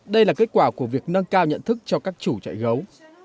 đây là kết quả của việc nâng cao nhận thức cho các chủ trại gấu